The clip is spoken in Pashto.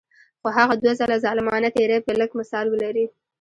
خو هغه دوه ځله ظالمانه تیری به لږ مثال ولري.